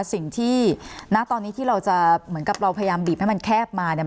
ณตอนนี้ที่เราจะเหมือนกับเราพยายามบีบให้มันแคบมาเนี่ย